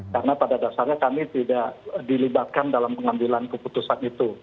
karena pada dasarnya kami tidak dilibatkan dalam pengambilan keputusan itu